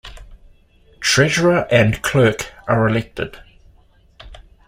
Treasurer and Clerk are elected.